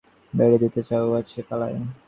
বেড়ি দিতে চাও পাছে পালাই!